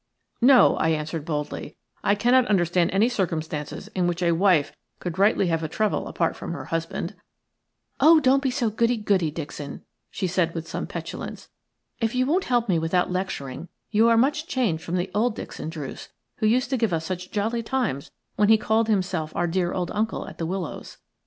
"No," I answered, boldly, "I cannot understand any circumstances in which a wife could rightly have a trouble apart from her husband." "Oh, don't be so goody goody, Dixon," she said, with some petulance. "If you won't help me without lecturing, you are much changed from the old Dixon Druce who used to give us such jolly times when he called, himself our dear old uncle at The Willows.